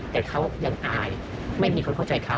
แต่เขายังอายไม่มีคนเข้าใจเขา